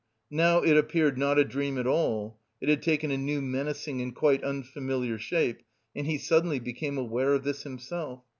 now it appeared not a dream at all, it had taken a new menacing and quite unfamiliar shape, and he suddenly became aware of this himself....